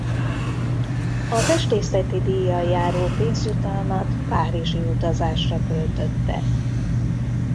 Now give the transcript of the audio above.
A festészeti díjjal járó pénzjutalmat párizsi utazásra költötte.